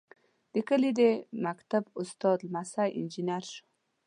د کلي د مکتب استاد لمسی انجنیر شوی.